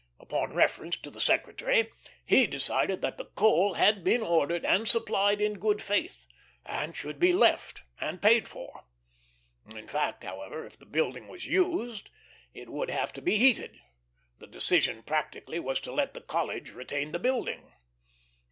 Upon reference to the Secretary, he decided that the coal had been ordered and supplied in good faith, and should be left and paid for. In fact, however, if the building was used it would have to be heated; the decision practically was to let the College retain the building.